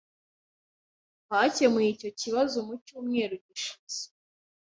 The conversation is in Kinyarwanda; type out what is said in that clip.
Twakemuye icyo kibazo mu cyumweru gishize.